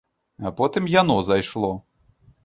А потым яно зайшло.